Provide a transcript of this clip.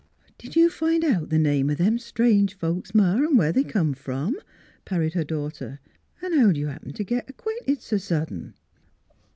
" Did you find out the name o' them strange folks, Ma, an' where they come from?" parried her daughter. " An' how d' you happen t' git ac quainted s' suddin'?